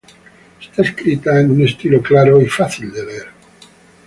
Está escrita en un estilo claro y fácil de leer.